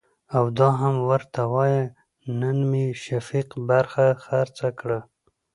او دا هم ورته وايه نن مې شفيق برخه خرڅه کړه .